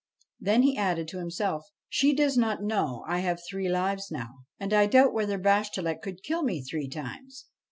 ' Then he added to himself, ' She does not know I have three lives now, and I doubt whether Bashtchelik could kill me three times.'